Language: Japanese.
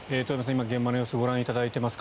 今、現場の様子をご覧いただいています